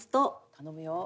頼むよ。